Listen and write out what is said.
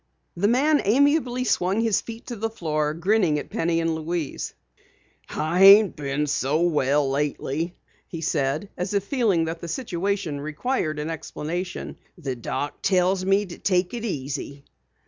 The man amiably swung his feet to the floor, grinning at Penny and Louise. "I ain't been very well lately," he said, as if feeling that the situation required an explanation. "The Doc tells me to take it easy."